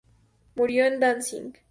Murió en Danzig.